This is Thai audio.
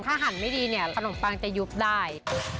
ถ้าหันไม่ดีเนี่ยขนมปังจะยุบได้